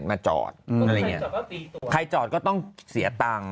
คนที่จอดก็ตีตัวใครจอดก็ต้องเสียตังค์